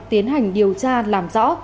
tiến hành điều tra làm rõ